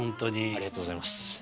ありがとうございます。